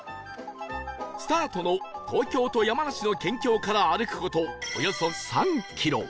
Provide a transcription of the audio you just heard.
スタートの東京と山梨の県境から歩く事およそ３キロ